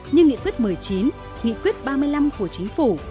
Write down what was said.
như nghị quyết một mươi chín nghị quyết ba mươi năm của chính phủ